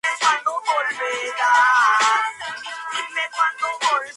A estos se les llama "agentes durmientes".